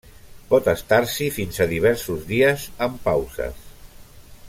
Pot estar-s'hi fins a diversos dies amb pauses.